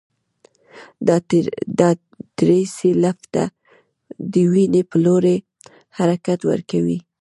دا دریڅې لمف ته د وینې په لوري حرکت ورکوي.